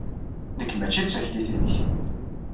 Nekk mačči d taklit-inek.